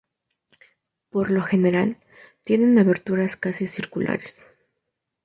Por lo general tienen aberturas casi circulares.